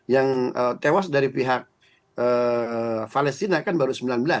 yang tewas dari pihak palestina kan baru sembilan belas